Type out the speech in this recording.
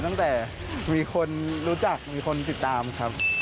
ตั้งแต่มีคนรู้จักมีคนติดตามครับ